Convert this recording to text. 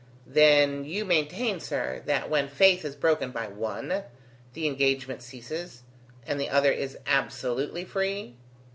"Then you maintain, sir, that when faith is broken by one, the engagement ceases, and the other is absolutely free?"